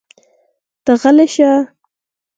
ته غلی شه!